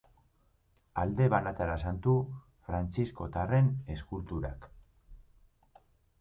Alde banatara santu frantziskotarren eskulturak.